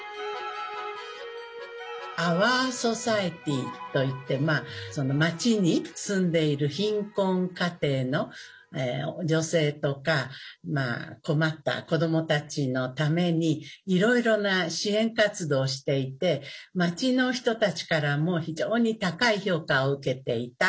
アワー・ソサエティといって町に住んでいる貧困家庭の女性とか困った子どもたちのためにいろいろな支援活動をしていて町の人たちからも非常に高い評価を受けていた。